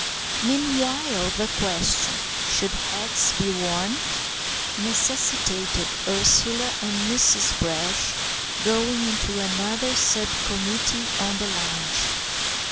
Meanwhile the question, "Should hats be worn?" necessitated Ursula and Mrs. Brash going into another sub committee on the lounge.